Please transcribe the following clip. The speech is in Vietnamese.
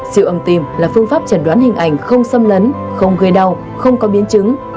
siêu âm tim là phương pháp chẩn đoán hình ảnh không xâm lấn không gây đau không có biến chứng